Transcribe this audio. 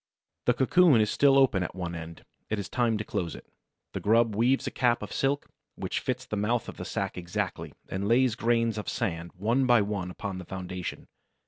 The cocoon is still open at one end. It is time to close it. The grub weaves a cap of silk which fits the mouth of the sack exactly, and lays grains of sand one by one upon this foundation.